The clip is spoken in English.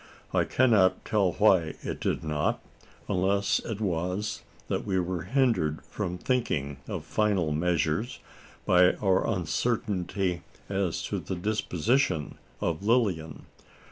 I cannot tell why it did not: unless it was that we were hindered from thinking of final measures, by our uncertainty as to the disposition of Lilian.